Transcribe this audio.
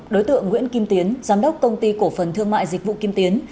đối tượng nguyễn kim tiến giám đốc công ty cổ phần thương mại dịch vụ kim tiến